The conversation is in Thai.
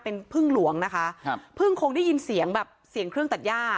เป็นพึ่งหลวงนะคะครับเพิ่งคงได้ยินเสียงแบบเสียงเครื่องตัดย่า